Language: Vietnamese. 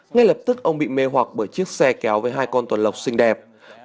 ngay lập tức ông bị mê hoặc bởi chiếc xe kéo với hai con toàn lộc xinh đẹp